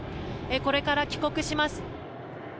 これから帰国します。